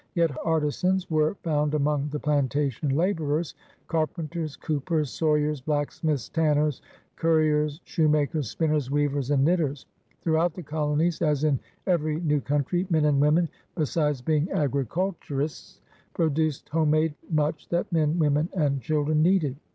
Yet artisans were found among the plantation laborers — "carpen ters, coopers, sawyers, blacksmiths, tanners, curri ers, shoemakers, spinners, weavers, and knitters.'' Throughout the colonies, as in every new coimtry. 198 PIONEEES OF THE OLD SOUTH men and women> besides being agriculturists, produced homemade much that men, women, and children needed.